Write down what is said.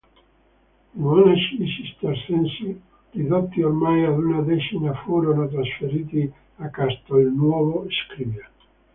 I monaci cistercensi, ridotti ormai ad una decina, furono trasferiti a Castelnuovo Scrivia.